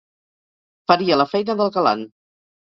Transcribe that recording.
Faria la feina del galant.